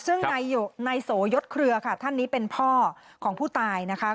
ซึ่งนายโสยศเครือค่ะท่านนี้เป็นพ่อของผู้ตายนะคะ